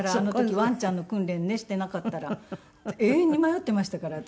ワンちゃんの訓練ねしていなかったら永遠に迷っていましたから私。